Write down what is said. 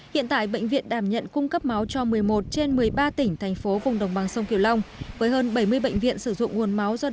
hiện tại bệnh viện đảm nhận cung cấp máu cho một mươi một trên một mươi ba tỉnh thành phố vùng đồng bằng sông kiều long